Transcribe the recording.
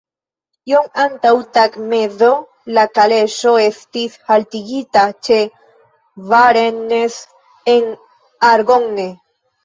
Iom antaŭ tagmezo la kaleŝo estis haltigita ĉe Varennes-en-Argonne.